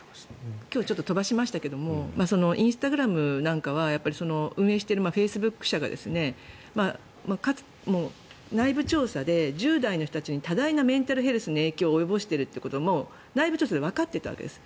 今日ちょっと飛ばしましたがインスタグラムなんかは運営しているフェイスブック社が内部調査で１０代の人たちに多大なメンタルヘルスの影響を及ぼしているということが内部調査でわかっていたわけです。